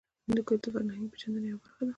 هندوکش د فرهنګي پیژندنې یوه برخه ده.